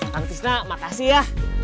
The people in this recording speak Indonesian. kang tisna makasih ya